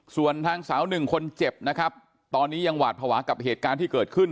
ส่วนทางสาวหนึ่งคนเจ็บนะครับตอนนี้ยังหวาดภาวะกับเหตุการณ์ที่เกิดขึ้น